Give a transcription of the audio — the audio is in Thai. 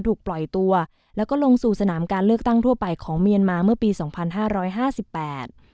ถูกปล่อยตัวแล้วก็ลงสู่สนามการเลือกตั้งทั่วไปของเมียนมาเมื่อปีสองพันห้าร้อยห้าสิบแปด